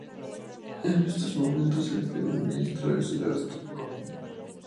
En estos momentos el primer ministro es Gaston Browne.